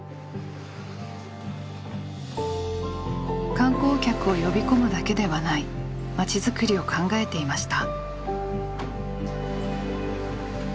観光客を呼び込むだけではない街づくりを考えていました。